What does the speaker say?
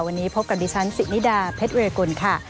วันนี้พบกับดิฉันสินิดาเพชรเวรกุลค่ะ